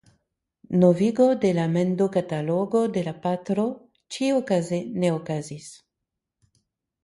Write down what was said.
Novigo de la mendokatalogo de la patro ĉiuokaze ne okazis.